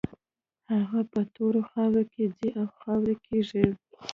هغه په تورو خاورو کې ځي او خاورې کېږي.